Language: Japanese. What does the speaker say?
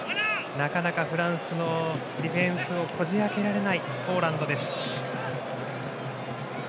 なかなかフランスのディフェンスをこじ開けられないポーランド。